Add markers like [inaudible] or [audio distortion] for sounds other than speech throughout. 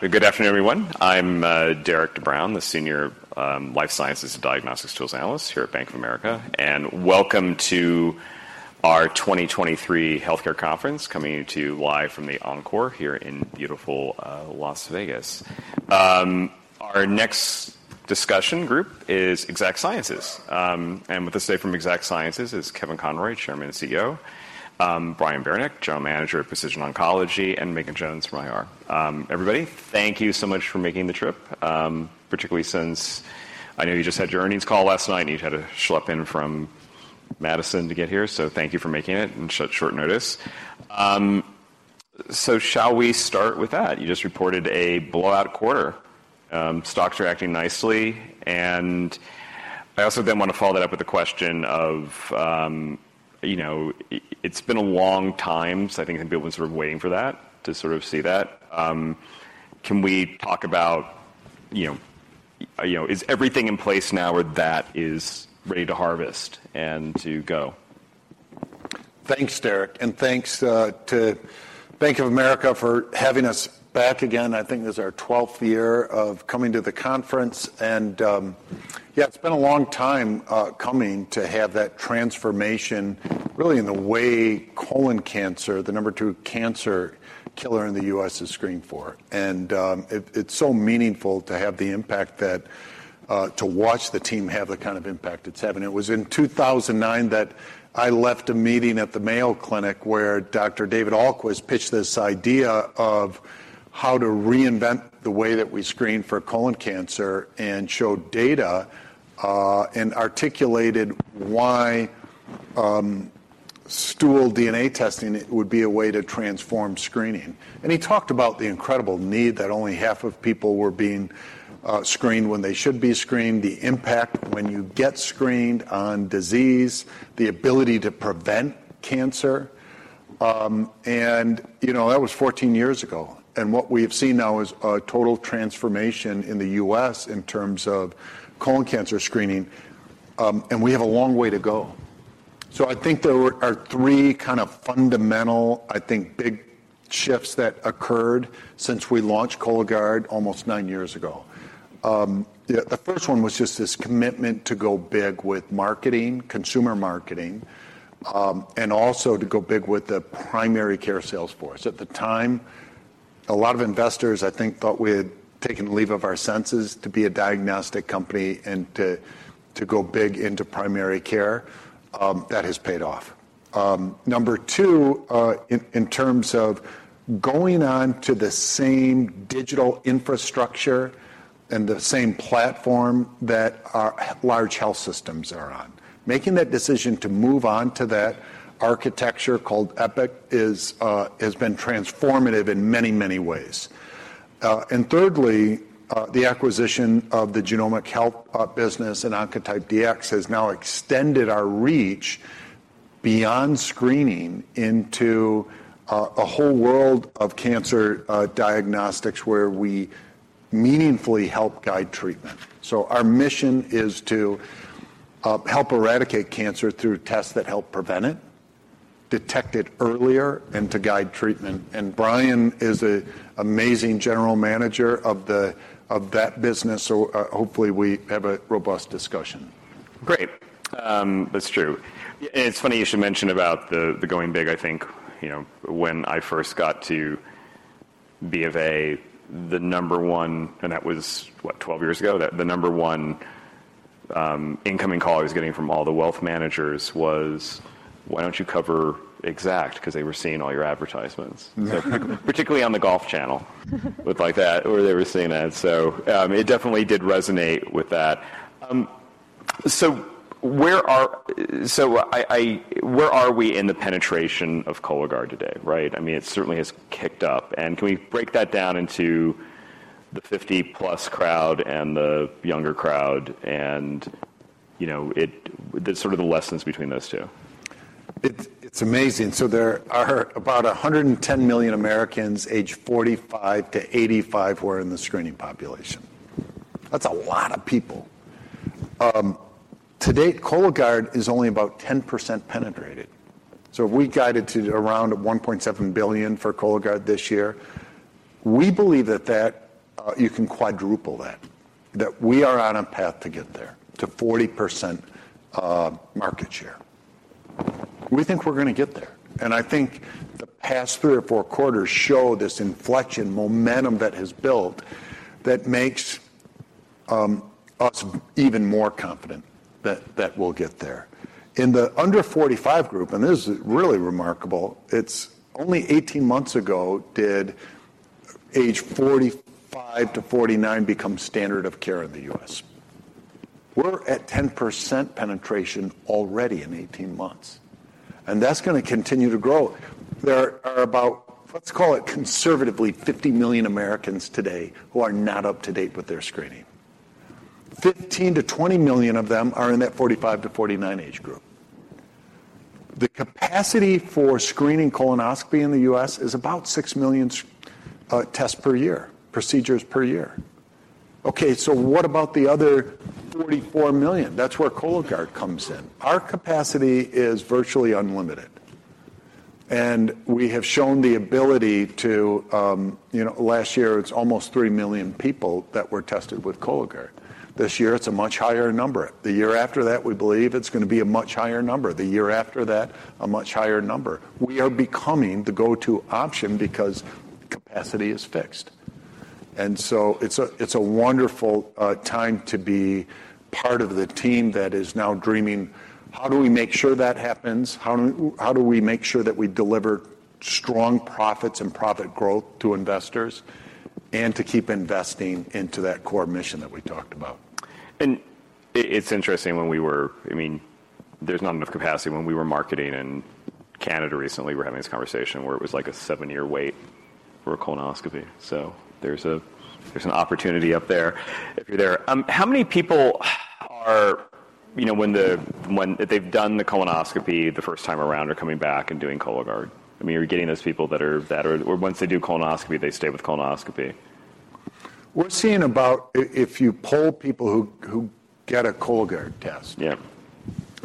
Good afternoon, everyone. I'm Derik De Bruin, the Senior Life Sciences and Diagnostics Tools Analyst here at Bank of America. Welcome to our 2023 healthcare conference, coming to you live from The Encore here in beautiful Las Vegas. Our next discussion group is Exact Sciences. With us today from Exact Sciences is Kevin Conroy, Chairman and CEO, Brian Baranick, General Manager at Precision Oncology, and Megan Jones from IR. Everybody, thank you so much for making the trip, particularly since I know you just had your earnings call last night, and you've had to schlep in from Madison to get here. Thank you for making it on short notice. Shall we start with that? You just reported a blowout quarter. Stocks are acting nicely. I also then wanna follow that up with a question of, you know, it's been a long time, so I think everyone's sort of waiting for that, to sort of see that. Can we talk about, you know, is everything in place now or that is ready to harvest and to go? Thanks, Derik. Thanks to Bank of America for having us back again. I think this is our 12th year of coming to the conference. Yeah, it's been a long time coming to have that transformation really in the way colon cancer, the number two cancer killer in the U.S., is screened for. It's so meaningful to have the impact that to watch the team have the kind of impact it's having. It was in 2009 that I left a meeting at the Mayo Clinic where Dr. David Ahlquist pitched this idea of how to reinvent the way that we screen for colon cancer and show data and articulated why stool DNA testing would be a way to transform screening. He talked about the incredible need that only half of people were being screened when they should be screened, the impact when you get screened on disease, the ability to prevent cancer. You know, that was 14 years ago. What we have seen now is a total transformation in the U.S. in terms of colon cancer screening. We have a long way to go. I think there are three kind of fundamental, I think, big shifts that occurred since we launched Cologuard almost nine years ago. Yeah, the first one was just this commitment to go big with marketing, consumer marketing, and also to go big with the primary care sales force. At the time, a lot of investors, I think, thought we had taken leave of our senses to be a diagnostic company and to go big into primary care. That has paid off. Number two, in terms of going on to the same digital infrastructure and the same platform that our large health systems are on. Making that decision to move on to that architecture called Epic is has been transformative in many, many ways. Thirdly, the acquisition of the Genomic Health business and Oncotype DX has now extended our reach beyond screening into a whole world of cancer diagnostics where we meaningfully help guide treatment. Our mission is to help eradicate cancer through tests that help prevent it, detect it earlier, and to guide treatment. Brian is an amazing general manager of that business, so hopefully we have a robust discussion. Great. That's true. It's funny you should mention about the going big. I think, you know, when I first got to BofA, and that was, what, 12 years ago? The number one incoming call I was getting from all the wealth managers was, "Why don't you cover Exact?" 'cause they were seeing all your advertisements. Particularly on the Golf Channel. With like that, where they were seeing that. It definitely did resonate with that. Where are we in the penetration of Cologuard today, right? I mean, it certainly has kicked up. Can we break that down into the 50+ crowd and the younger crowd and, you know, the sort of the lessons between those two? It's amazing. There are about 110 million Americans aged 45-85 who are in the screening population. That's a lot of people. To date, Cologuard is only about 10% penetrated. We guided to around $1.7 billion for Cologuard this year. We believe that you can quadruple that we are on a path to get there, to 40% market share. We think we're gonna get there. I think the past three or four quarters show this inflection momentum that has built that makes us even more confident that we'll get there. In the under 45 group, this is really remarkable, it's only 18 months ago did age 45-49 become standard of care in the U.S. We're at 10% penetration already in 18 months, that's gonna continue to grow. There are about, let's call it conservatively $50 million Americans today who are not up to date with their screening. $15 million-$20 million of them are in that 45 to 49 age group. The capacity for screening colonoscopy in the U.S. is about $6 million tests per year, procedures per year. What about the other $44 million? That's where Cologuard comes in. Our capacity is virtually unlimited. We have shown the ability to, you know, last year, it's almost $3 million people that were tested with Cologuard. This year, it's a much higher number. The year after that, we believe it's gonna be a much higher number. The year after that, a much higher number. We are becoming the go-to option because capacity is fixed. It's a, it's a wonderful time to be part of the team that is now dreaming, how do we make sure that happens? How do we make sure that we deliver strong profits and profit growth to investors and to keep investing into that core mission that we talked about? It's interesting, when we were, I mean, there's not enough capacity. When we were marketing in Canada recently, we were having this conversation where it was, like, a 7-year wait for a colonoscopy. There's an opportunity up there if you're there. How many people are, you know, when they've done the colonoscopy the first time around are coming back and doing Cologuard? I mean, are you getting those people that are, or once they do colonoscopy, they stay with colonoscopy? We're seeing about if you poll people who get a Cologuard test- Yeah...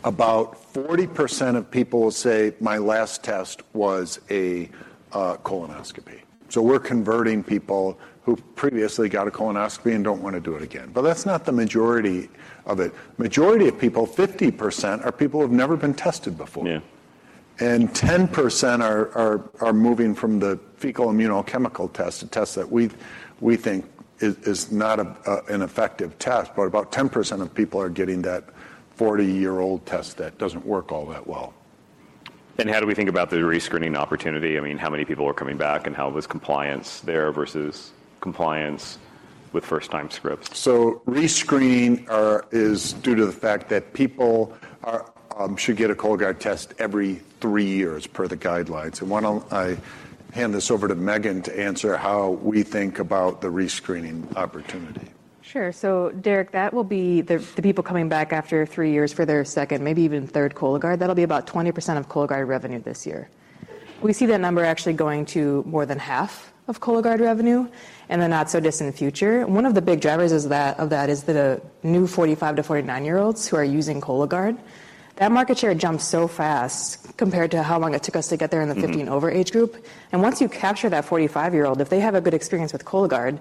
about 40% of people will say, "My last test was a colonoscopy." We're converting people who previously got a colonoscopy and don't wanna do it again. That's not the majority of it. Majority of people, 50%, are people who've never been tested before. Yeah. 10% are moving from the fecal immunochemical test, a test that we think is not an effective test. About 10% of people are getting that 40-year-old test that doesn't work all that well. How do we think about the rescreening opportunity? I mean, how many people are coming back, and how was compliance there versus compliance with first-time scripts? Is due to the fact that people are, should get a Cologuard test every three years per the guidelines. Why don't I hand this over to Megan to answer how we think about the rescreening opportunity? Sure. Derik, that will be the people coming back after three years for their second, maybe even third Cologuard. That'll be about 20% of Cologuard revenue this year. We see that number actually going to more than half of Cologuard revenue in the not-so-distant future. One of the big drivers of that is the new 45-49-year-olds who are using Cologuard. That market share jumped so fast compared to how long it took us to get there in the. Mm-hmm... 50 and over age group. And once you capture that 45-year-old, if they have a good experience with Cologuard,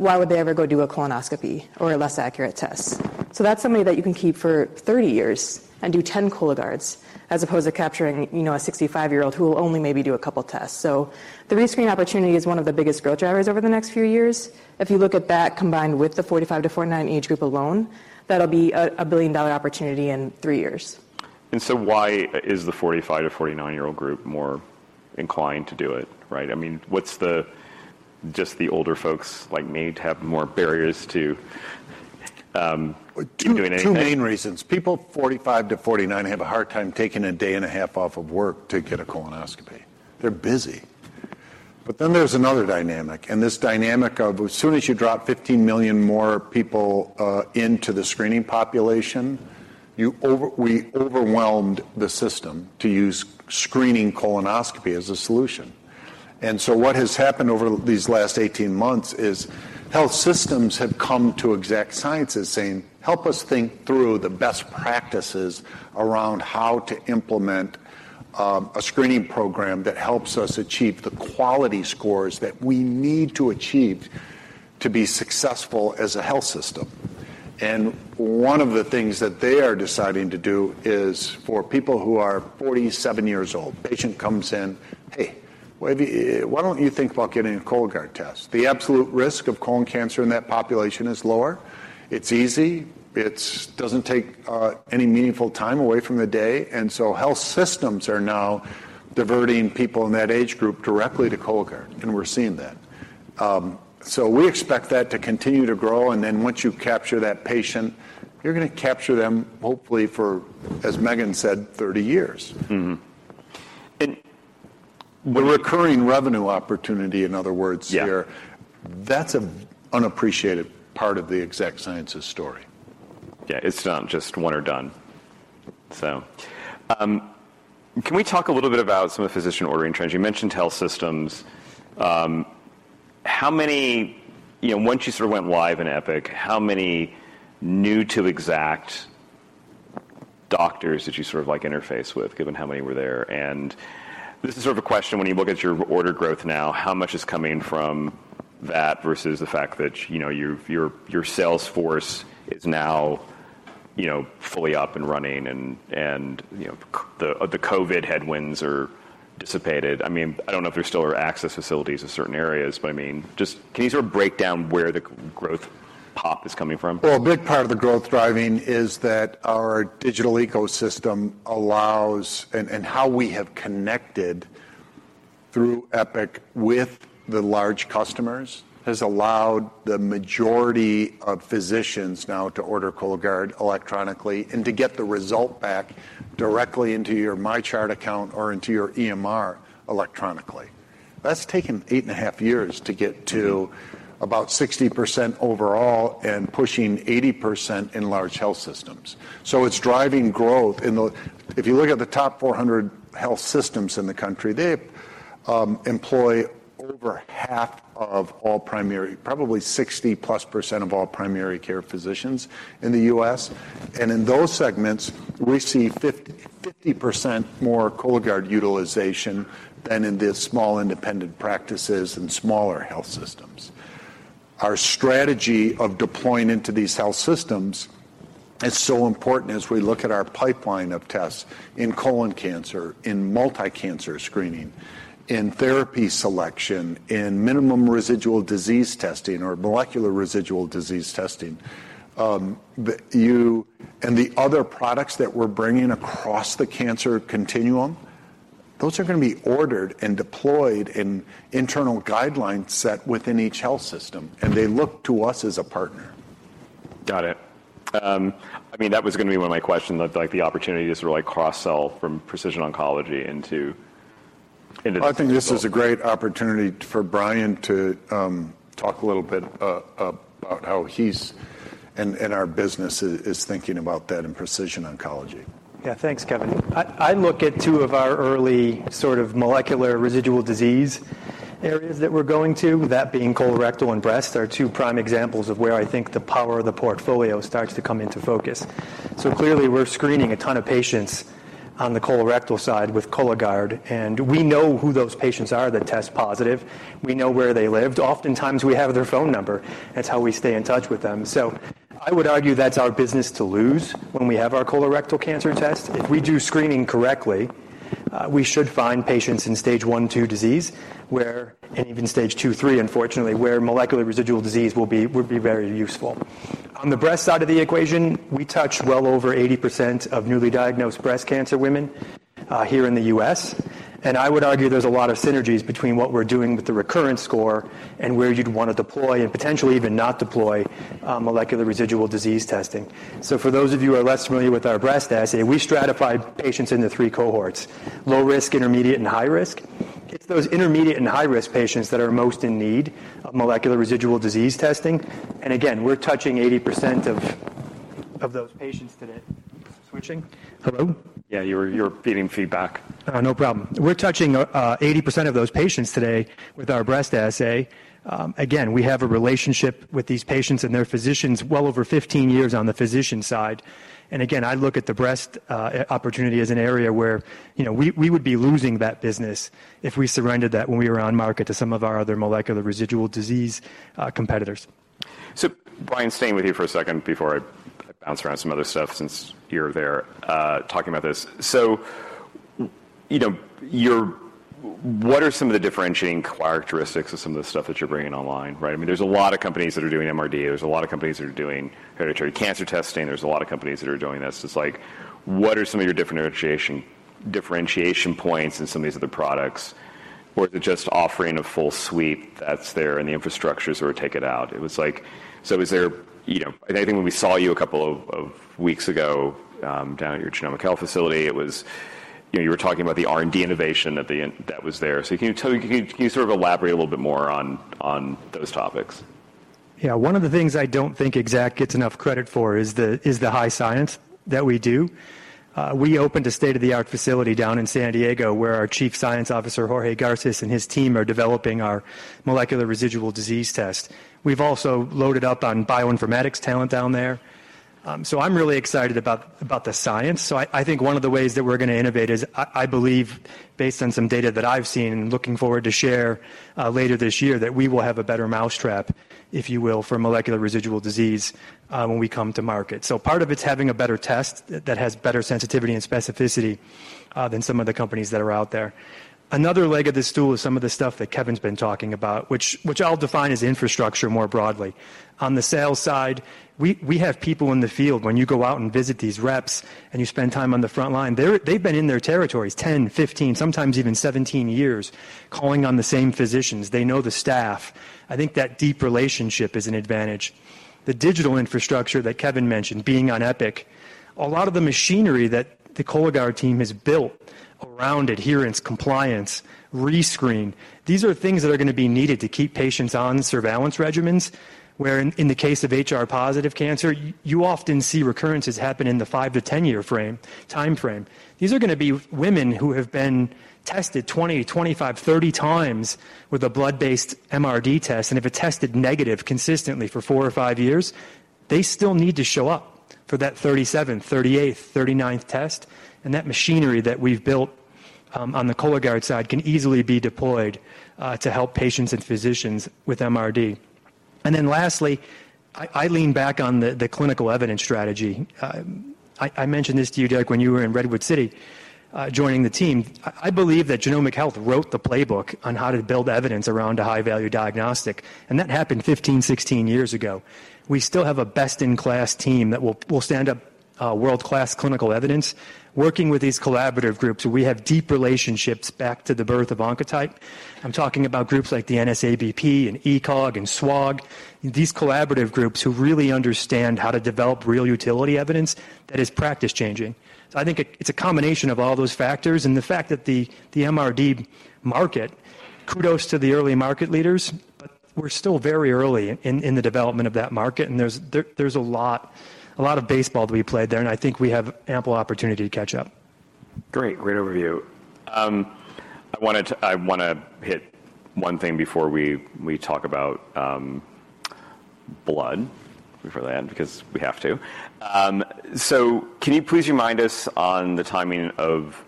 why would they ever go do a colonoscopy or a less accurate test? So that's somebody that you can keep for 30 years and do 10 Cologuards as opposed to capturing, you know, a 65-year-old who will only maybe do a couple tests. So the rescreen opportunity is one of the biggest growth drivers over the next few years. If you look at that combined with the 45-49 age group alone, that'll be a billion-dollar opportunity in three years. Why is the 45-49-year-old group more inclined to do it, right? I mean, what's the... Just the older folks like me have more barriers to doing anything. Two main reasons. People 45-49 have a hard time taking a day and a half off of work to get a colonoscopy. They're busy. There's another dynamic, and this dynamic of as soon as you drop 15 million more people into the screening population, we overwhelmed the system to use screening colonoscopy as a solution. What has happened over these last 18 months is health systems have come to Exact Sciences saying, "Help us think through the best practices around how to implement a screening program that helps us achieve the quality scores that we need to achieve to be successful as a health system." One of the things that they are deciding to do is for people who are 47 years old, patient comes in, "Hey, why don't you think about getting a Cologuard test?" The absolute risk of colon cancer in that population is lower. It's easy. It's doesn't take any meaningful time away from the day. Health systems are now diverting people in that age group directly to Cologuard, and we're seeing that. We expect that to continue to grow, and then once you capture that patient, you're gonna capture them, hopefully, for, as Megan said, 30 years. Mm-hmm. The recurring revenue opportunity, in other words... Yeah... here, that's an unappreciated part of the Exact Sciences story. Yeah, it's not just one or done. Can we talk a little bit about some of the physician ordering trends? You mentioned health systems. How many, you know, once you sort of went live in Epic, how many new to Exact doctors did you sort of, like, interface with, given how many were there? This is sort of a question when you look at your order growth now, how much is coming from that versus the fact that, you know, your sales force is now, you know, fully up and running and, you know, the COVID headwinds are dissipated. I mean, I don't know if there still are access facilities in certain areas, but, I mean, just can you sort of break down where the growth pop is coming from? Well, a big part of the growth driving is that our digital ecosystem allows, and how we have connected through Epic with the large customers, has allowed the majority of physicians now to order Cologuard electronically and to get the result back directly into your MyChart account or into your EMR electronically. That's taken 8.5 years to get to about 60% overall and pushing 80% in large health systems. It's driving growth in the... If you look at the top 400 health systems in the country, they employ over half of all primary, probably 60%+ percent of all primary care physicians in the U.S. In those segments, we see 50% more Cologuard utilization than in the small independent practices and smaller health systems. Our strategy of deploying into these health systems is so important as we look at our pipeline of tests in colon cancer, in multi-cancer screening, in therapy selection, in minimal residual disease testing or molecular residual disease testing. The other products that we're bringing across the cancer continuum, those are going to be ordered and deployed in internal guidelines set within each health system, and they look to us as a partner. Got it. I mean, that was going to be one of my questions, like the opportunity to sort of like cross-sell from Precision Oncology into. I think this is a great opportunity for Brian to talk a little bit about how he's and our business is thinking about that in Precision Oncology. Thanks, Kevin. I look at two of our early sort of molecular residual disease areas that being colorectal and breast, are two prime examples of where I think the power of the portfolio starts to come into focus. Clearly, we're screening a ton of patients on the colorectal side with Cologuard, and we know who those patients are that test positive. We know where they lived. Oftentimes, we have their phone number. That's how we stay in touch with them. I would argue that's our business to lose when we have our colorectal cancer test. If we do screening correctly, we should find patients in stage one, two disease and even stage two, three, unfortunately, where molecular residual disease would be very useful. On the breast side of the equation, we touch well over 80% of newly diagnosed breast cancer women, here in the U.S. I would argue there's a lot of synergies between what we're doing with the Recurrence Score and where you'd want to deploy and potentially even not deploy, molecular residual disease testing. For those of you who are less familiar with our breast assay, we stratify patients into three cohorts: low risk, intermediate, and high risk. It's those intermediate and high-risk patients that are most in need of molecular residual disease testing. Again, we're touching 80% of those patients today. Switching. Hello? Yeah, you're feeding feedback. Oh, no problem. We're touching 80% of those patients today with our breast assay. Again, we have a relationship with these patients and their physicians well over 15 years on the physician side. Again, I look at the breast opportunity as an area where, you know, we would be losing that business if we surrendered that when we were on market to some of our other molecular residual disease competitors. Brian, staying with you for a second before I bounce around some other stuff since you're there, talking about this. You know, what are some of the differentiating characteristics of some of the stuff that you're bringing online, right? I mean, there's a lot of companies that are doing MRD. There's a lot of companies that are doing hereditary cancer testing. There's a lot of companies that are doing this. It's like, what are some of your differentiation points in some of these other products? Or is it just offering a full suite that's there and the infrastructure sort of take it out? It was like, you know, I think when we saw you a couple of weeks ago, down at your Genomic Health facility, it was, you know, you were talking about the R&D innovation that was there. Can you sort of elaborate a little bit more on those topics? One of the things I don't think Exact gets enough credit for is the high science that we do. We opened a state-of-the-art facility down in San Diego, where our Chief Science Officer, Jorge Garces, and his team are developing our molecular residual disease test. We've also loaded up on bioinformatics talent down there. I think one of the ways that we're going to innovate is I believe based on some data that I've seen and looking forward to share later this year, that we will have a better mousetrap, if you will, for molecular residual disease when we come to market. Part of it's having a better test that has better sensitivity and specificity than some of the companies that are out there. Another leg of this stool is some of the stuff that Kevin's been talking about, which I'll define as infrastructure more broadly. On the sales side, we have people in the field. When you go out and visit these reps and you spend time on the front line, they've been in their territories 10, 15, sometimes even 17 years, calling on the same physicians. They know the staff. I think that deep relationship is an advantage. The digital infrastructure that Kevin mentioned, being on Epic, a lot of the machinery that the Cologuard team has built around adherence, compliance, rescreen, these are things that are going to be needed to keep patients on surveillance regimens, where in the case of HR-positive cancer, you often see recurrences happen in the 5-10 year time frame. These are going to be women who have been tested 20, 25, 30 times with a blood-based MRD test, and if it tested negative consistently for four or five years, they still need to show up for that 37th, 38th, 39th test. That machinery that we've built on the Cologuard side can easily be deployed to help patients and physicians with MRD. Lastly, I lean back on the clinical evidence strategy. I mentioned this to you, Derik, when you were in Redwood City, joining the team. I believe that Genomic Health wrote the playbook on how to build evidence around a high-value diagnostic, and that happened 15, 16 years ago. We still have a best-in-class team that will stand up world-class clinical evidence working with these collaborative groups, who we have deep relationships back to the birth of Oncotype. I'm talking about groups like the NSABP and ECOG and SWOG, these collaborative groups who really understand how to develop real utility evidence that is practice-changing. I think it's a combination of all those factors and the fact that the MRD market. Kudos to the early market leaders. We're still very early in the development of that market. There's a lot of baseball to be played there. I think we have ample opportunity to catch up. Great. Great overview. I wanna hit one thing before we talk about blood before that because we have to. Can you please remind us on the timing of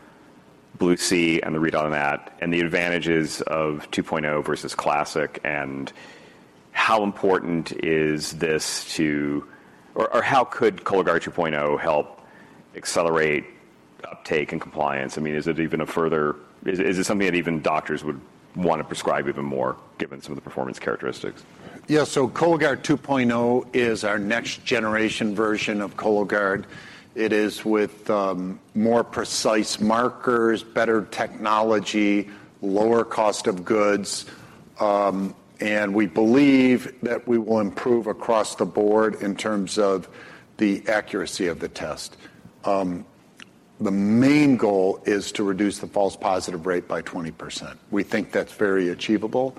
BLUE-C and the read on that and the advantages of Cologuard 2.0 versus classic and how important is this to. Or how could Cologuard 2.0 help accelerate uptake and compliance? I mean, is it even a further. Is it something that even doctors would wanna prescribe even more given some of the performance characteristics? Yeah. Cologuard 2.0 is our next-generation version of Cologuard. It is with more precise markers, better technology, lower cost of goods, and we believe that we will improve across the board in terms of the accuracy of the test. The main goal is to reduce the false positive rate by 20%. We think that's very achievable.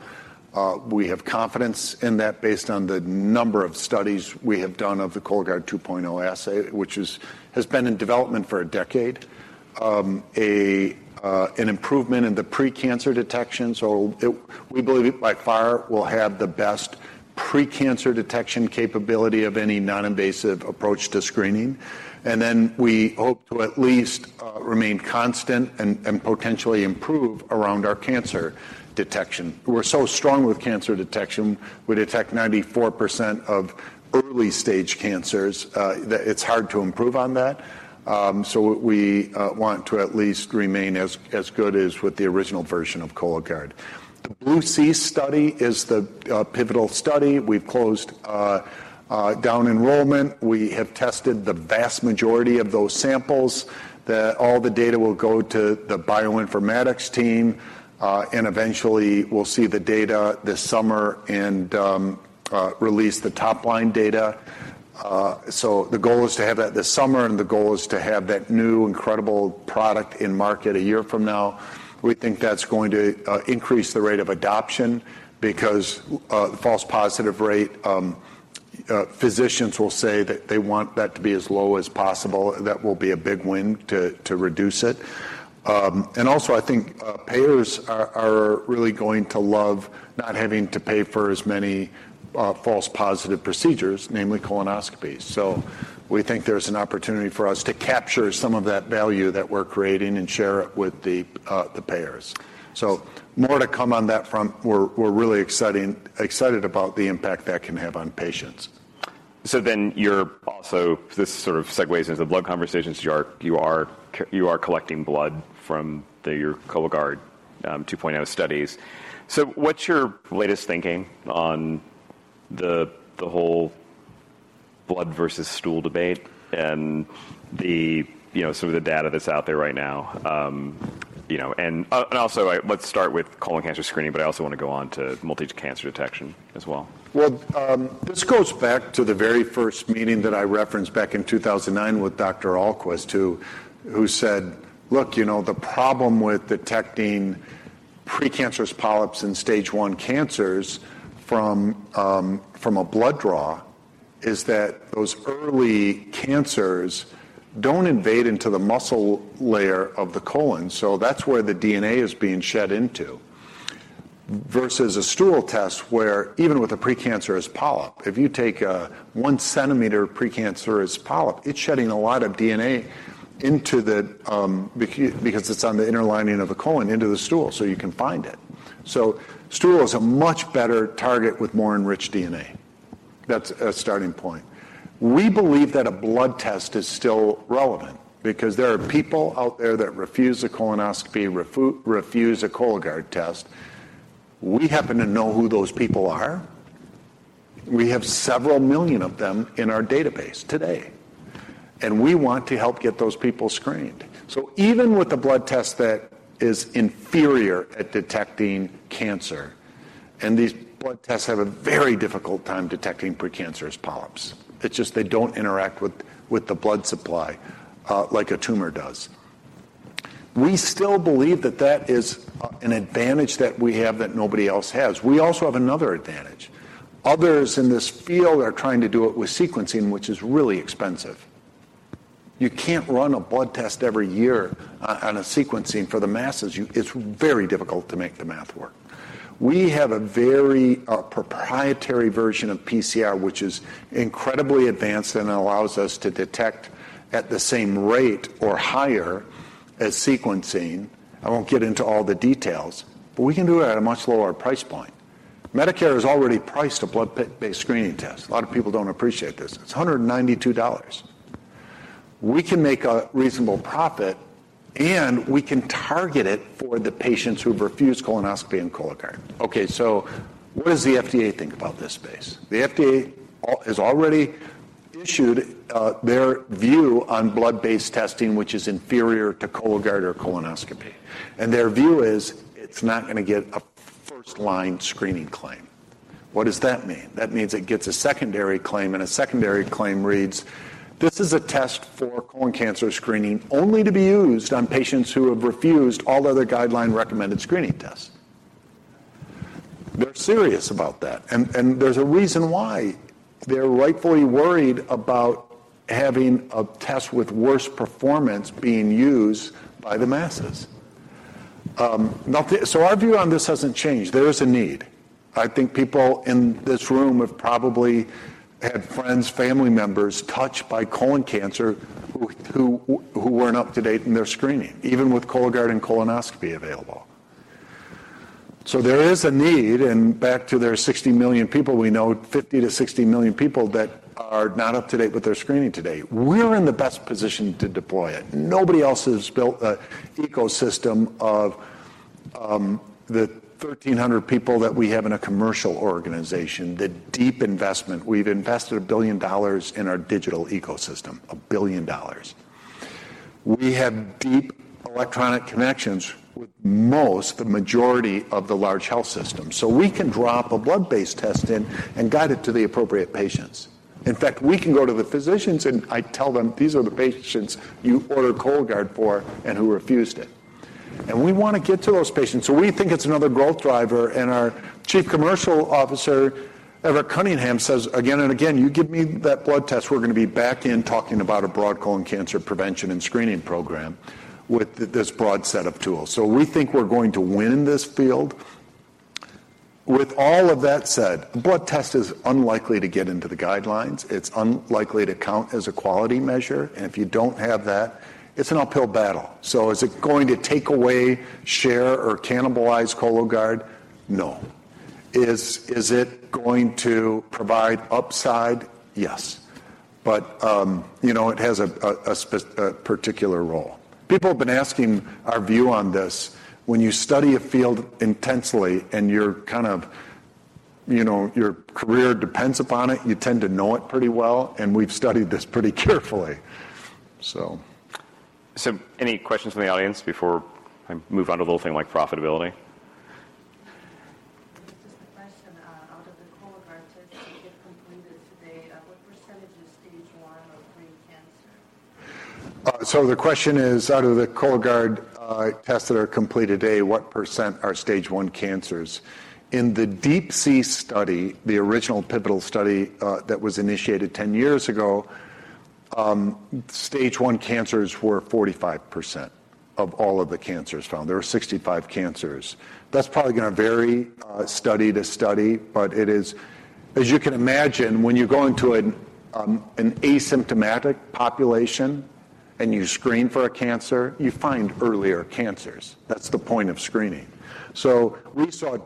We have confidence in that based on the number of studies we have done of the Cologuard 2.0 assay has been in development for a decade. An improvement in the pre-cancer detection we believe it by far will have the best pre-cancer detection capability of any non-invasive approach to screening. We hope to at least remain constant and potentially improve around our cancer detection. We're so strong with cancer detection. We detect 94% of early-stage cancers, that it's hard to improve on that. We want to at least remain as good as with the original version of Cologuard. The BLUE-C study is the pivotal study. We've closed down enrollment. We have tested the vast majority of those samples that all the data will go to the bioinformatics team, and eventually we'll see the data this summer and release the top line data. The goal is to have that this summer and the goal is to have that new incredible product in market a year from now. We think that's going to increase the rate of adoption because the false positive rate, physicians will say that they want that to be as low as possible. That will be a big win to reduce it. Also I think payers are really going to love not having to pay for as many false positive procedures, namely colonoscopies. We think there's an opportunity for us to capture some of that value that we're creating and share it with the payers. More to come on that front. We're really excited about the impact that can have on patients. You're also, this sort of segues into the blood conversations. You are collecting blood from your Cologuard 2.0 studies. What's your latest thinking on the whole blood versus stool debate and the, you know, some of the data that's out there right now? You know, and also, let's start with colon cancer screening but I also wanna go on to multi-cancer detection as well. Well, this goes back to the very first meeting that I referenced back in 2009 with Dr. Ahlquist who said, "Look, you know, the problem with detecting precancerous polyps in stage one cancers from a blood draw is that those early cancers don't invade into the muscle layer of the colon, so that's where the DNA is being shed into, versus a stool test where even with a precancerous polyp, if you take a 1 cm precancerous polyp, it's shedding a lot of DNA into the because it's on the inner lining of the colon into the stool so you can find it. Stool is a much better target with more enriched DNA. That's a starting point. We believe that a blood test is still relevant because there are people out there that refuse a colonoscopy, refuse a Cologuard test. We happen to know who those people are. We have several million of them in our database today and we want to help get those people screened. Even with a blood test that is inferior at detecting cancer and these blood tests have a very difficult time detecting precancerous polyps. It's just they don't interact with the blood supply, like a tumor does. We still believe that that is an advantage that we have that nobody else has. We also have another advantage. Others in this field are trying to do it with sequencing which is really expensive. You can't run a blood test every year on a sequencing for the masses. It's very difficult to make the math work. We have a very proprietary version of PCR which is incredibly advanced and allows us to detect at the same rate or higher as sequencing. I won't get into all the details, but we can do it at a much lower price point. Medicare has already priced a blood based screening test. A lot of people don't appreciate this. It's $192. We can make a reasonable profit and we can target it for the patients who've refused colonoscopy and Cologuard. What does the FDA think about this space? The FDA has already issued their view on blood-based testing which is inferior to Cologuard or colonoscopy and their view is it's not gonna get a first line screening claim. What does that mean? That means it gets a secondary claim. A secondary claim reads, "This is a test for colon cancer screening only to be used on patients who have refused all other guideline recommended screening tests." They're serious about that. There's a reason why they're rightfully worried about having a test with worse performance being used by the masses. Our view on this hasn't changed. There is a need. I think people in this room have probably had friends, family members touched by colon cancer who weren't up to date in their screening, even with Cologuard and colonoscopy available. There is a need, and back to there are 60 million people we know, 50 million-60 million people that are not up to date with their screening to date. We're in the best position to deploy it. Nobody else has built a ecosystem of the 1,300 people that we have in a commercial organization. The deep investment. We've invested $1 billion in our digital ecosystem. $1 billion. We have deep electronic connections with most, the majority of the large health systems, so we can drop a blood-based test in and guide it to the appropriate patients. In fact, we can go to the physicians and I tell them, "These are the patients you ordered Cologuard for and who refused it." We wanna get to those patients, so we think it's another growth driver and our chief commercial officer, Everett Cunningham, says again and again, "You give me that blood test, we're gonna be back in talking about a broad colon cancer prevention and screening program with this broad set of tools." We think we're going to win in this field. With all of that said, blood test is unlikely to get into the guidelines. It's unlikely to count as a quality measure, and if you don't have that, it's an uphill battle. Is it going to take away share or cannibalize Cologuard? No. Is it going to provide upside? Yes. you know, it has a particular role. People have been asking our view on this. When you study a field intensely and you're kind of, you know, your career depends upon it, you tend to know it pretty well, and we've studied this pretty carefully. Any questions from the audience before I move on to a little thing like profitability? Just a question. Out of the Cologuard tests that get completed [audio distortion] The question is, out of the Cologuard tests that are completed a year, what percent are stage one cancers? In the DeeP-C study, the original pivotal study that was initiated 10 years ago, stage one cancers were 45% of all of the cancers found. There were 65 cancers. That's probably gonna vary study to study, but it is. As you can imagine, when you go into an asymptomatic population and you screen for a cancer, you find earlier cancers. That's the point of screening. We saw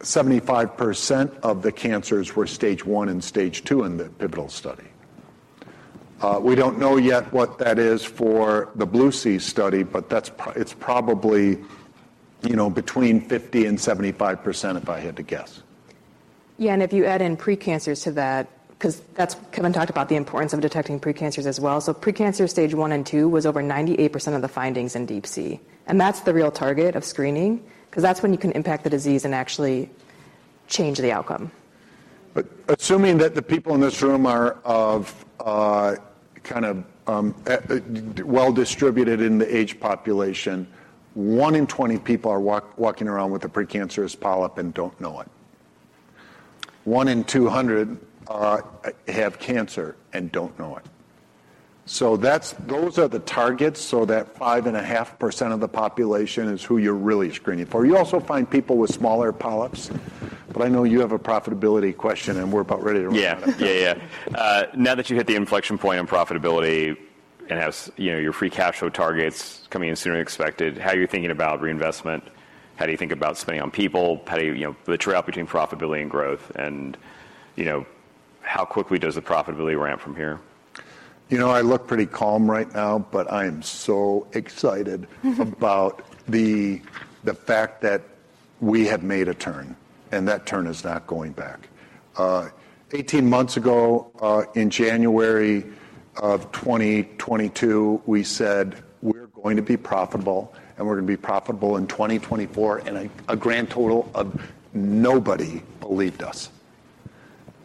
75% of the cancers were stage one and stage two in the pivotal study. We don't know yet what that is for the BLUE-C study, but it's probably, you know, between 50% and 75%, if I had to guess. Yeah, if you add in pre-cancers to that. Kevin talked about the importance of detecting pre-cancers as well. Pre-cancer stage one and two was over 98% of the findings in DeeP-C, and that's the real target of screening 'cause that's when you can impact the disease and actually change the outcome. Assuming that the people in this room are of, kind of, well-distributed in the age population, one in 20 people are walking around with a pre-cancerous polyp and don't know it. One in 200 have cancer and don't know it. Those are the targets. That 5.5% of the population is who you're really screening for. You also find people with smaller polyps, but I know you have a profitability question, and we're about ready to wrap up. Yeah. Yeah, yeah. Now that you hit the inflection point on profitability and as, you know, your free cash flow target's coming in sooner than expected, how are you thinking about reinvestment? How do you think about spending on people? How do you know, the trade-off between profitability and growth and, you know, how quickly does the profitability ramp from here? You know, I look pretty calm right now, but I am so excited about the fact that we have made a turn, and that turn is not going back. 18 months ago, in January of 2022, we said, "We're going to be profitable, and we're gonna be profitable in 2024," and a grand total of nobody believed us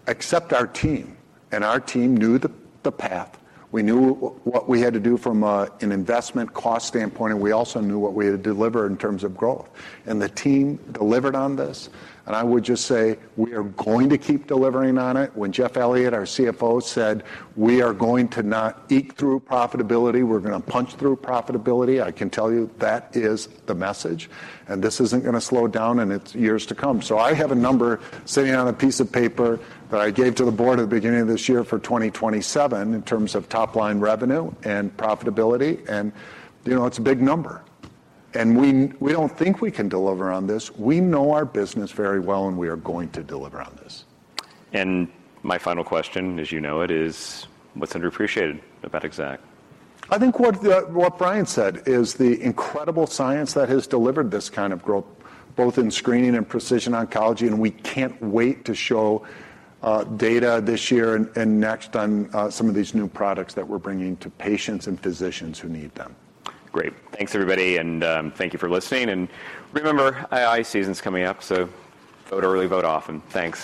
except our team. Our team knew the path. We knew what we had to do from an investment cost standpoint. We also knew what we had to deliver in terms of growth. The team delivered on this. I would just say we are going to keep delivering on it. When Jeff Elliott, our CFO, said, "We are going to not eke through profitability. We're gonna punch through profitability," I can tell you that is the message, and this isn't gonna slow down in its years to come. I have a number sitting on a piece of paper that I gave to the board at the beginning of this year for 2027 in terms of top-line revenue and profitability, and you know, it's a big number. We don't think we can deliver on this. We know our business very well and we are going to deliver on this. My final question, as you know it, is what's underappreciated about Exact? I think what Brian said is the incredible science that has delivered this kind of growth, both in screening and Precision Oncology, and we can't wait to show data this year and next on some of these new products that we're bringing to patients and physicians who need them. Great. Thanks, everybody, and thank you for listening. Remember, IR season's coming up, so vote early, vote often. Thanks.